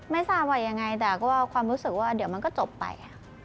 ไม่ทราบว่ายังไงแต่ก็ความรู้สึกว่าเดี๋ยวมันก็จบไป